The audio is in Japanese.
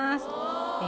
え？